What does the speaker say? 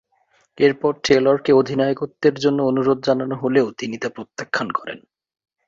এরপর টেলরকে অধিনায়কত্বের জন্য অনুরোধ জানানো হলেও তিনি তা প্রত্যাখ্যান করেন।